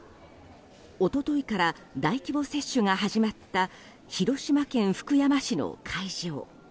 一昨日から大規模接種が始まった広島県福山市の会場。